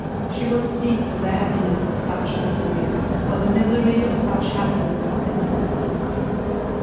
She was deep in the happiness of such misery, or the misery of such happiness, instantly.